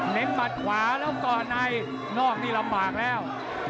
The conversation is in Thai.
หมัดขวาแล้วก่อในนอกนี่ลำบากแล้ว